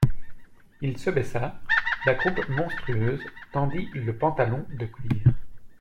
Il se baissa: la croupe monstrueuse tendit le pantalon de cuir.